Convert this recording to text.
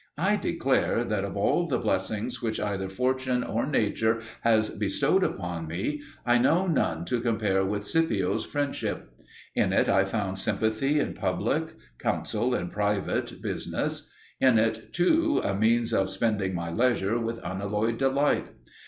I declare that of all the blessings which either fortune or nature has bestowed upon me I know none to compare with Scipio's friendship. In it I found sympathy in public, counsel in private business; in it too a means of spending my leisure with unalloyed delight.